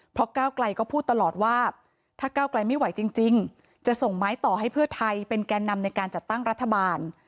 เพราะก้าวไกลก็พูดตลอดว่าถ้าก้าวไกลไม่ไหวจริงจะส่งไม้ต่อให้เพื่อไทยเป็นแก่นำในการจัดตั้งรัฐบาล